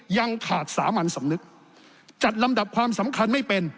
ยังขาดสามัญสำนึกจัดลำดับความสำคัญไม่เป็น